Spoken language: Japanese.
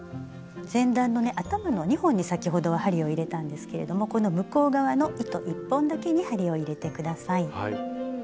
前段のね頭の２本に先ほどは針を入れたんですけれどもこの向こう側の糸１本だけに針を入れて下さい。